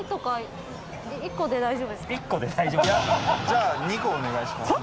じゃあ２個お願いします。